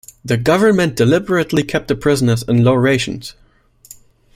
The government deliberately kept the prisoners on low rations.